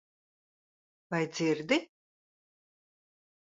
Vai dzirdi?